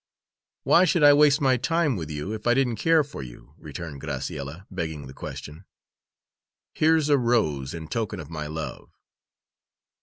"Why should I waste my time with you, if I didn't care for you?" returned Graciella, begging the question. "Here's a rose, in token of my love."